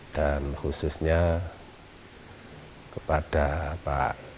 dan khususnya kepada pak ganjar pranowo